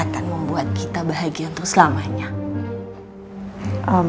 dia pasti akan membuat kita bahagia untuk selamanya